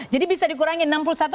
jadi bisa dikurangin